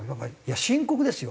深刻ですよ。